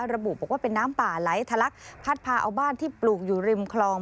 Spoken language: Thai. ระบุบอกว่าเป็นน้ำป่าไหลทะลักพัดพาเอาบ้านที่ปลูกอยู่ริมคลอง